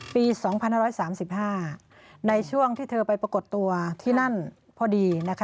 ปี๒๕๓๕ในช่วงที่เธอไปปรากฏตัวที่นั่นพอดี